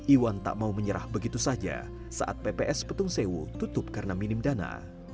iwan tak mau menyerah begitu saja saat pps petung sewu tutup karena minim dana